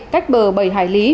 cách bờ bảy hải lý